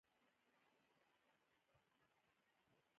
په قرآن کريم کې له جاهلانو مخ وګرځوئ.